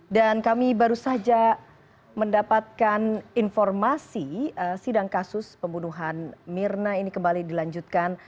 dan kami baru saja mendapatkan informasi sidang kasus pembunuhan mirna ini kembali dilanjutkan